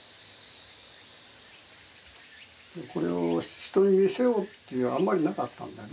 これを人に見せようっていうのはあんまりなかったんだよね